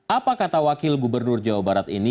apa kata wakil gubernur jawa barat ini